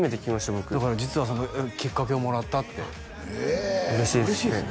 僕だから実はそのきっかけをもらったって嬉しいですね